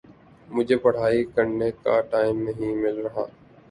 مجھے پڑھائی کرنے کا ٹائم نہیں مل رہا